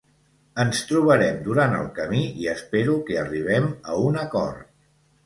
Ens trobarem durant el camí i espero que arribem a un acord.